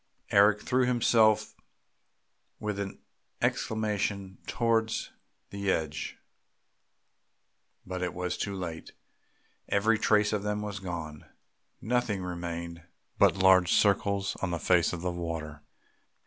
Eric threw himself with an exclamation towards the edge, but it was too late! Every trace of them was gone, nothing remained but large circles on the face of the water.